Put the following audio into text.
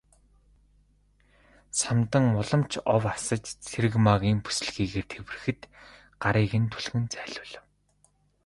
Самдан улам ч ов асаж Цэрэгмаагийн бүсэлхийгээр тэврэхэд гарыг нь түлхэн зайлуулав.